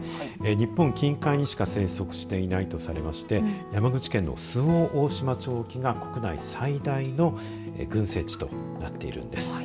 日本近海にしか生息していないとされていて山口県の周防大島町沖が国内最大規模の群生地となっているんです。